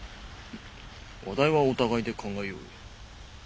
話題はお互いで考えようよ。